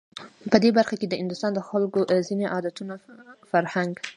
په دې برخه کې د هندوستان د خلکو ځینو عادتونو، فرهنک